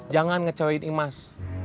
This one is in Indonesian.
jangan ngecewain imas